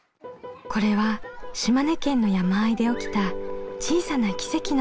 これは島根県の山あいで起きた小さな奇跡の物語。